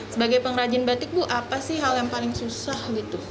sebagai pengrajin batik apa hal yang paling susah